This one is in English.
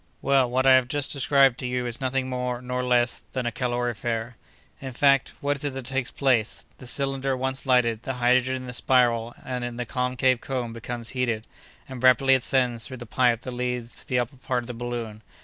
Well, what I have just described to you is nothing more nor less than a calorifere. "In fact, what is it that takes place? The cylinder once lighted, the hydrogen in the spiral and in the concave cone becomes heated, and rapidly ascends through the pipe that leads to the upper part of the balloon.